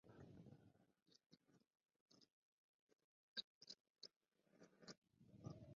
She is married with composer Hermann Dechant.